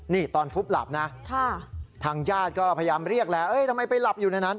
นี่ตอนฟุบหลับนะทางญาติก็พยายามเรียกแล้วทำไมไปหลับอยู่ในนั้น